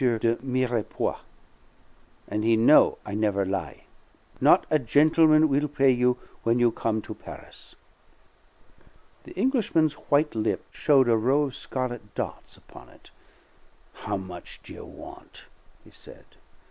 de Mirepoix, and he know' I never lie. Not a gentleman will play you when you come to Paris." The Englishman's white lip showed a row of scarlet dots upon it. "How much do you want?" he said.